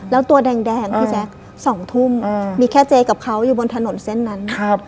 แล้วตัวแดงพี่แจ๊ค๒ทุ่มมีแค่เจ๊กับเขาอยู่บนถนนเส้นนั้น